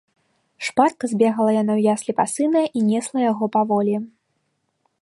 Шпарка збегала яна ў яслі па сына і несла яго паволі.